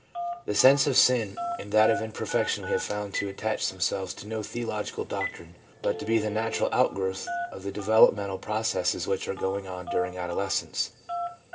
The sense of sin and that of imperfection we have found to attach themselves to no theological doctrine, but to be the natural outgrowth of the developmental processes which are going on during adolescence.